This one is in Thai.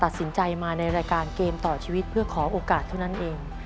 ตัดสินใจมาในรายการเกมต่อชีวิตเพื่อขอโอกาสเท่านั้นเอง